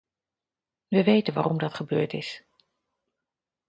We weten waarom dat gebeurd is.